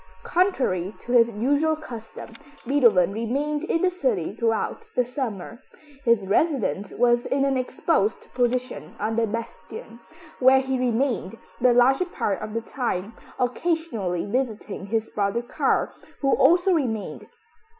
Contrary to his usual custom, Beethoven remained in the city throughout the summer. His residence was in an exposed position on the bastion, where he remained the larger part of the time, occasionally visiting his brother Karl, who also remained.